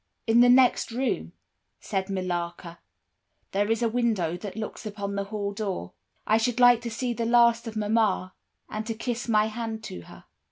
"'In the next room,' said Millarca, 'there is a window that looks upon the hall door. I should like to see the last of mamma, and to kiss my hand to her.